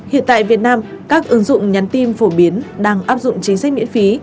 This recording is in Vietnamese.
hiện tại việt nam các ứng dụng nhắn tin phổ biến đang áp dụng chính sách miễn phí